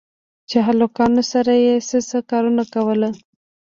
چې هلکانو سره يې څه څه کارونه کول.